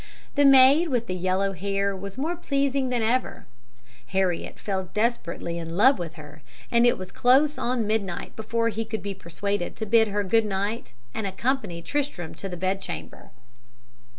"The maid with the yellow hair was more pleasing than ever, Heriot fell desperately in love with her, and it was close on midnight before he could be persuaded to bid her good night and accompany Tristram to the bed chamber.